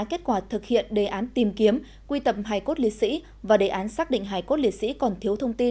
kết quả thực hiện đề án tìm kiếm quy tập hài cốt liệt sĩ và đề án xác định hải cốt liệt sĩ còn thiếu thông tin